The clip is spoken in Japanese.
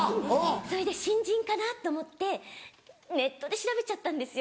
それで「新人かな？」と思ってネットで調べちゃったんですよ。